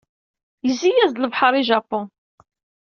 Yezzi-yas-d lebḥer i Japun.